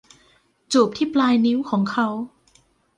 จูบที่ปลายนิ้วของเขา